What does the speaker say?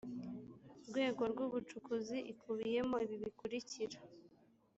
rwego rw ubucukuzi ikubiyemo ibi bikurikira